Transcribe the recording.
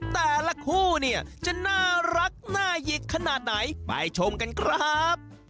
แต่ละคู่เนี่ยจะน่ารักน่าหยิกขนาดไหนไปชมกันครับ